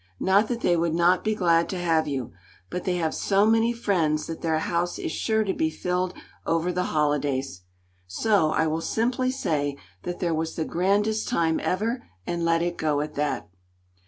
Not that they would not be glad to have you, but they have so many friends that their house is sure to be filled over the holidays. So I will simply say that there was the grandest time ever, and let it go at that.